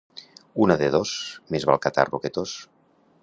Una de dos, més val catarro que tos.